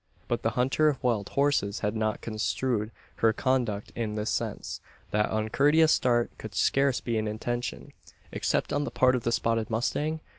But the hunter of wild horses had not construed her conduct in this sense. That uncourteous start could scarce be an intention except on the part of the spotted mustang?